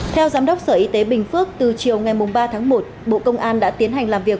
theo giám đốc sở y tế bình phước từ chiều ngày ba tháng một bộ công an đã tiến hành làm việc